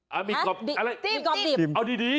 เอาดีจิ้มอะไร